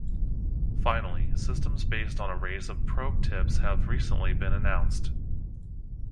Finally, systems based on arrays of probe tips have recently been announced.